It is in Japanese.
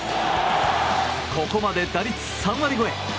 ここまで打率３割超え。